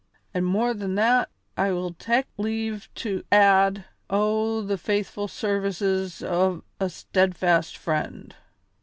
An' more than that, I will tak' leave to add, o' the faithful services o' a steadfast friend."